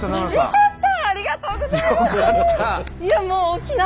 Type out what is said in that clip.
よかった。